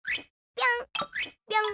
ぴょん！